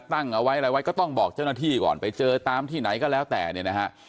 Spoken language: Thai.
ตั้งเอาไว้อะไรไว้ก็ต้องบอกเจ้าหน้าที่ก่อนไปเจอตามที่ไหนก็แล้วแต่เนี่ยนะฮะ